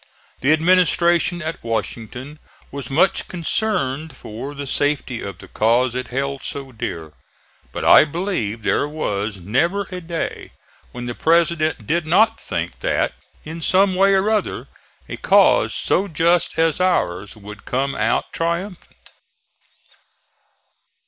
The administration at Washington was much concerned for the safety of the cause it held so dear. But I believe there was never a day when the President did not think that, in some way or other, a cause so just as ours would come out triumphant.